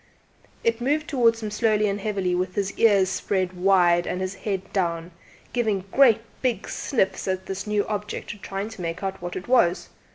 It moved towards him slowly and heavily with its ears spread wide and its head down, giving great big sniffs at this new object, trying to make out what it was.